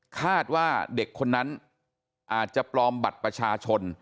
คาดว่าเด็กคนนั้นอาจจะปลอมบัตรประชาชน